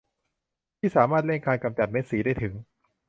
ที่สามารถเร่งการกำจัดเม็ดสีได้ถึง